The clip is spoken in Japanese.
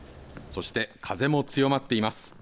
そして風も強まっています。